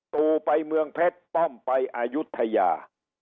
ตู่ไปเมืองเพชรป้อมไปอายุทยา